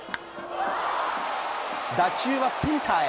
打球はセンターへ。